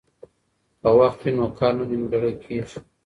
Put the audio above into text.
که وخت وي نو کار نه نیمګړی کیږي.